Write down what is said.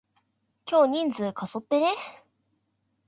今日人数過疎ってね？